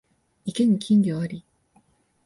池に金魚あり